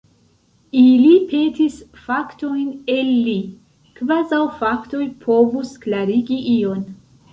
Ili petis faktojn el li, kvazaŭ faktoj povus klarigi ion!